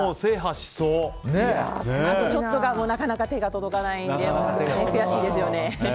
あとちょっとがなかなか手が届かないので悔しいですよね。